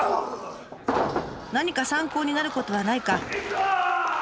何か参考になることはないか。